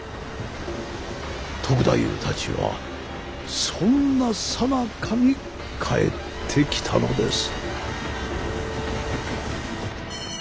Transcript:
篤太夫たちはそんなさなかに帰ってきたのです。